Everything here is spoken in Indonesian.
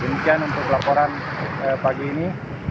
demikian untuk laporan pagi ini